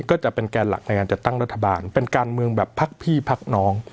ก็จะเป็นแกนหลักในการจัดตั้งรัฐบาลเป็นการเมืองแบบพักพี่พักน้อง